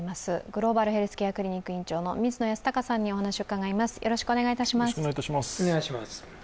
グローバルヘルスケアクリニック院長の水野泰孝さんにお話を伺います。